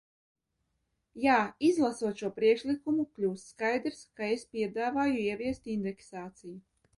Jā, izlasot šo priekšlikumu, kļūst skaidrs, ka es piedāvāju ieviest indeksāciju.